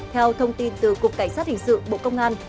theo thông tin từ cục cảnh sát hình sự bộ công an